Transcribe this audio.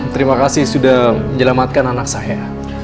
terima kasih sudah menyelamatkan anak saya